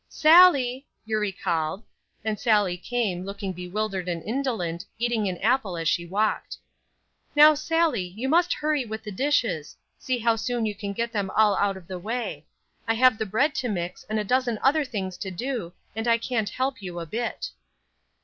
"Sallie!" Eurie called, and Sallie came, looking bewildered and indolent, eating an apple as she walked. "Now, Sallie, you must hurry with the dishes, see how soon you can get them all out of the way. I have the bread to mix and a dozen other things to do, and I can't help you a bit."